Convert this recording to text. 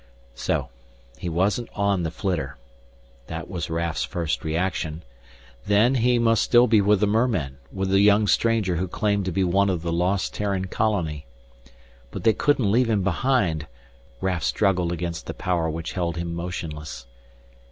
So, he wasn't on the flitter. That was Raf's first reaction. Then, he must still be with the mermen, with the young stranger who claimed to be one of a lost Terran colony. But they couldn't leave him behind! Raf struggled against the power which held him motionless.